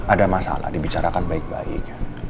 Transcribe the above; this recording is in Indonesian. ada masalah dibicarakan baik baik